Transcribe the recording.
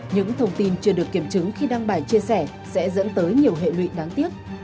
những thông tin chưa được kiểm chứng khi đăng bài chia sẻ sẽ dẫn tới nhiều hệ lụy đáng tiếc